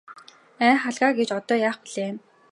Ай халаг гэж одоо яах билээ.